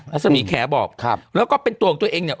ลักษมีแขวบอกแล้วก็เป็นตัวของตัวเองเนี่ย